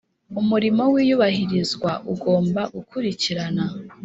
Umurimo w iyubahirizwa ugomba gukurikirana